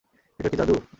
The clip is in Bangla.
এটা কি জাদু?